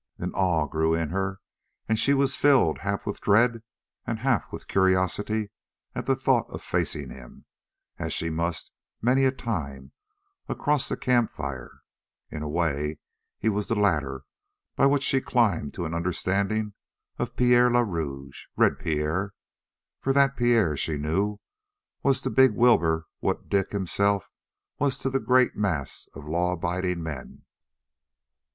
An awe grew in her, and she was filled half with dread and half with curiosity at the thought of facing him, as she must many a time, across the camp fire. In a way, he was the ladder by which she climbed to an understanding of Pierre le Rouge, Red Pierre. For that Pierre, she knew, was to big Wilbur what Dick himself was to the great mass of law abiding men.